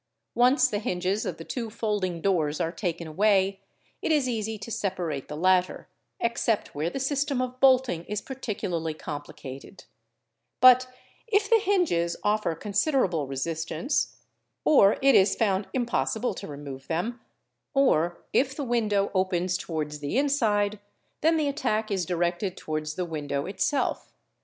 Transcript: Once the hinges of the two folding doors are taken away it is easy to separate ee ar Lg A A Te EAS UA AY he it 1" ag ew NT Abin, DAO BG DANA) ES Jack LN the latter, except where the system of bolting is particularly complicated. But if the hinges offer considerable resistance or it is found impossible to remove them, or if the window opens towards the inside, then the attack is directed towards the window itself.